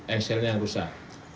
engselnya yang rusak